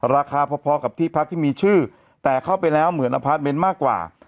ราคาพอกับที่พักที่มีชื่อแต่เข้าไปแล้วเหมือนอพาร์ทเมนต์มากกว่า